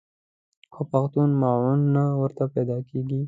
خو پښتون معاون نه ورته پیدا کېږي.